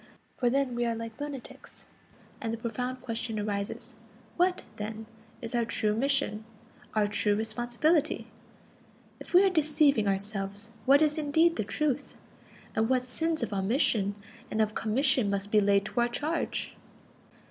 For then we are like lunatics; and the profound question arises: What, then, is our true mission, our true responsibility? If we are deceiving ourselves, what is indeed the truth? And what sins of omission and of commission must be laid to our charge?